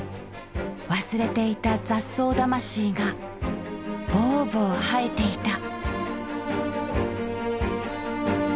忘れていた雑草魂がボーボー生えていた。